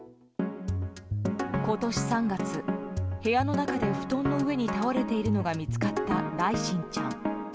今年３月、部屋の中で布団の上に倒れているのが見つかった、來心ちゃん。